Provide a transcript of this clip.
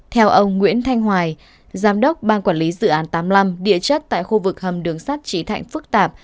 theo ông nguyễn thanh hoài giám đốc ban quản lý dự án tám mươi năm địa chất tại khu vực hầm đường sắt trí thạnh phức tạp